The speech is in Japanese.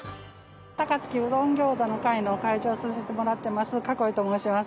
高槻うどんギョーザの会の会長をさしてもらってます栫と申します。